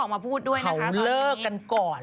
ถ้าเค้าเลิกกันก่อน